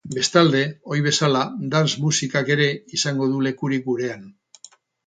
Bestalde, ohi bezala, dance musikak ere izango du lekurik gurean.